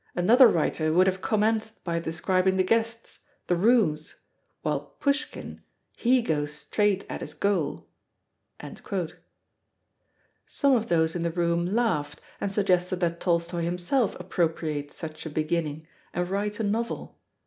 Another writer would have commenced by describing the guests, the rooms, while Pushkin he goes straight at his goal." Some of those in the room laughed, and suggested that Tolstoi himself appropriate such a beginning and write a novel.